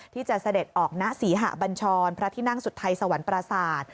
ที่จะเสด็จออกณศรีหะบัญชรพระที่นั่งสุดท้ายสวรรค์ประสาท